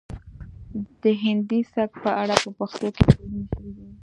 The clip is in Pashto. د هندي سبک په اړه په پښتو کې څیړنې شوي دي